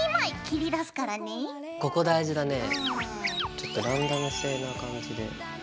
ちょっとランダムな感じで。